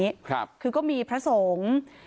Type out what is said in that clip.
เพราะว่าเขาจะมีชื่อเรียกเฉพาะกันอยู่ภายในสำนักสงฆ์แห่งนี้